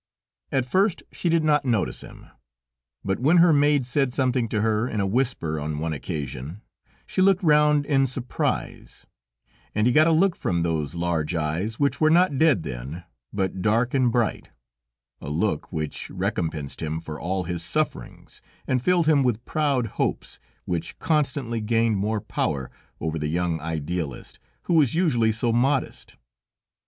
At first she did not notice him, but when her maid said something to her in a whisper on one occasion, she looked round in surprise, and he got a look from those large eyes, which were not dead then, but dark and bright; a look which recompensed him for all his sufferings and filled him with proud hopes, which constantly gained more power over the young Idealist, who was usually so modest.